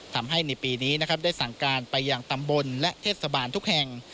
ทำให้ในปีนี้นะครับได้สั่งการไปยังตำบลและเทศบาลทุกแห่ง